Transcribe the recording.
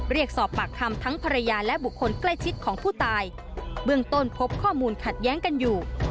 เรียกสอบปากคำทั้งภรรยาและบุคคลใกล้ชิดของผู้ตายเบื้องต้นพบข้อมูลขัดแย้งกันอยู่